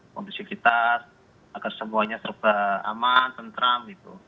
kondusivitas agar semuanya aman tentram